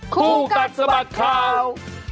คู่กันสมัครข่าว